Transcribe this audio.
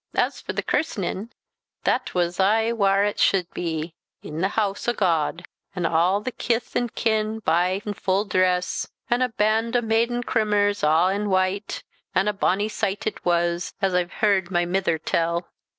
As for the kirsnin, that was aye whar it sude be i' the hoose o' God, an' aw the kith an' kin bye in full dress, an' a band o' maiden cimmers aw in white; an' a bonny sight it was, as I've heard my mither tell."